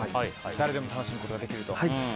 誰でも楽しむことができると。